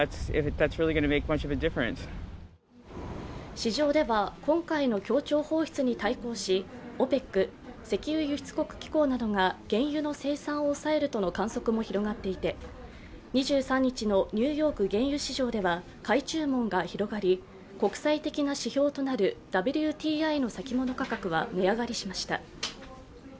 市場では今回の協調放出に対抗し、ＯＰＥＣ＝石油輸出国機構などが原油の生産を抑えるとの観測も広がっていて２３日のニューヨーク原油市場では買い注文が広がり国際的な指標となるＷＴＩの先物価格は値上がりしました。